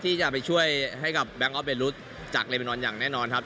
ที่จะไปช่วยให้กับแบงคออฟเบรุษจากเลเมนอนอย่างแน่นอนครับ